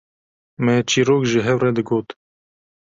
me çîrok ji hev re digot